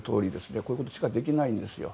こういうことしかできないんですよ。